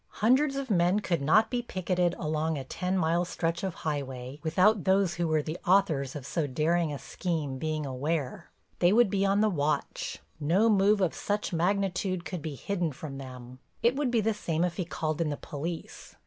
Hundreds of men could not be picketed along a ten mile stretch of highway without those who were the authors of so daring a scheme being aware. They would be on the watch; no move of such magnitude could be hidden from them. It would be the same if he called in the police.